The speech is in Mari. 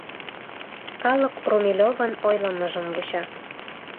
Калык Румелёвын ойлымыжым вуча.